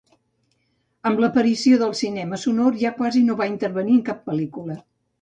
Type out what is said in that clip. Amb l'aparició del cinema sonor ja quasi no va intervenir en cap pel·lícula.